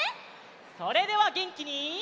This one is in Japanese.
それではげんきに。